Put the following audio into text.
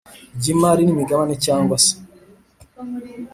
ry imari n imigabane cyangwa se